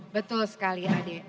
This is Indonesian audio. betul sekali adi